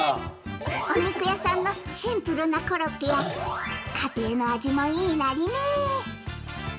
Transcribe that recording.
お肉屋さんのシンプルなコロッケや家庭の味もいいナリね。